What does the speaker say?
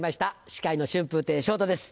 司会の春風亭昇太です。